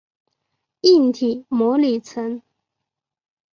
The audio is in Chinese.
硬体模拟层。